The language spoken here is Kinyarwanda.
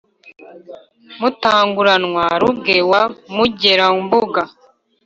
mutanguranwa-ruge wa mugera-mbuga,